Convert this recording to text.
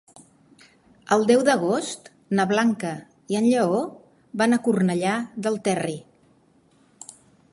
El deu d'agost na Blanca i en Lleó van a Cornellà del Terri.